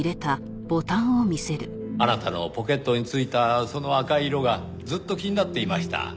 あなたのポケットに付いたその赤い色がずっと気になっていました。